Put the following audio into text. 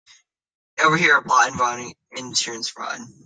They overhear a plot involving insurance fraud.